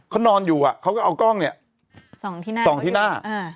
เขานอนอยู่อ่ะเขาก็เอากล้องเนี่ยส่องที่หน้าส่องที่หน้า